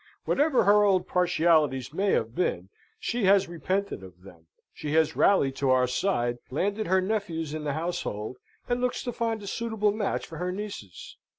Whatever her old partialities may have been, she has repented of them; she has rallied to our side, landed her nephews in the Household, and looks to find a suitable match for her nieces.